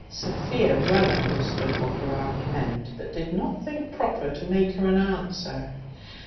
Sophia well understood what her aunt meant; but did not think proper to make her an answer.